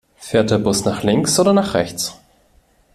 Fährt der Bus nach links oder nach rechts?